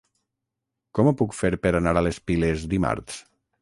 Com ho puc fer per anar a les Piles dimarts?